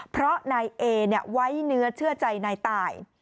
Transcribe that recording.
เพราะนายเอไว้เนื้อเชื่อใจนายตาย